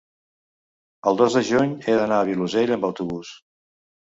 el dos de juny he d'anar al Vilosell amb autobús.